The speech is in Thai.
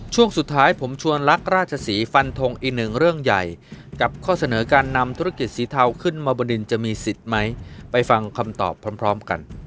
ช่วงสุดท้ายผมชวนรักราชศรีฟันทงอีกหนึ่งเรื่องใหญ่กับข้อเสนอการนำธุรกิจสีเทาขึ้นมาบนดินจะมีสิทธิ์ไหมไปฟังคำตอบพร้อมกัน